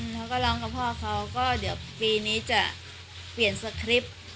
เราก็ร้องกับพ่อเขาก็เดี๋ยวปีนี้จะเปลี่ยนสคริปต์